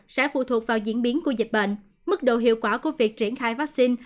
sẽ phụ thuộc vào diễn biến của dịch bệnh mức độ hiệu quả của việc triển khai vaccine